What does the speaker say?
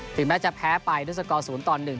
ถึงแม้จะแพ้ไปด้วยสกศูนย์ตอนหนึ่ง